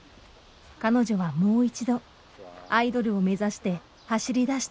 彼女はもう一度アイドルを目指して走りだしていた。